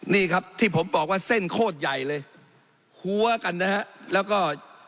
นี่ครับที่ผมบอกว่าเส้นโคตรใหญ่เลยหัวกันนะฮะแล้วก็